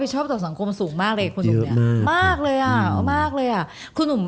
ชอบต่อสังคมสูงมากเลยคุณหนุ่มมากเลยอ่ะมากเลยอ่ะ